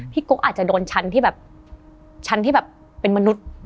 กุ๊กอาจจะโดนชั้นที่แบบชั้นที่แบบเป็นมนุษย์